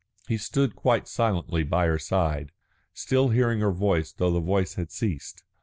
He stood quite silently by her side, still hearing her voice though the voice had ceased.